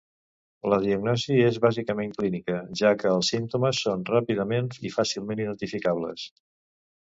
La diagnosi és bàsicament clínica, ja que els símptomes són ràpidament i fàcilment identificables.